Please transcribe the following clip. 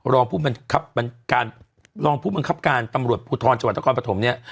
รองผู้บังคับการตำรวจภูทรจคพัทหมส์